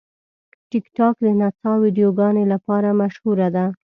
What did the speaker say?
ټیکټاک د نڅا ویډیوګانو لپاره مشهوره ده.